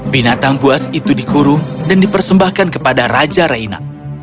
binatang buas itu dikurung dan dipersembahkan kepada raja raina